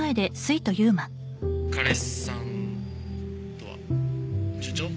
「彼氏さんとは順調？」